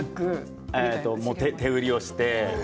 手売りをして。